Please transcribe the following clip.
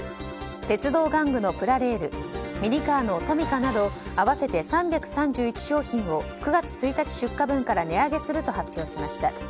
鉄道玩具のプラレールミニカーのトミカなど合わせて３３１商品を９月１日出荷分から値上げすると発表しました。